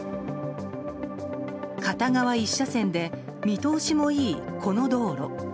片側１車線で見通しもいいこの道路。